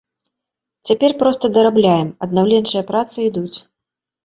Цяпер проста дарабляем, аднаўленчыя працы ідуць.